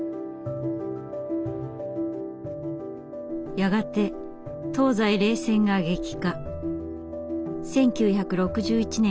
やがて東西冷戦が激化。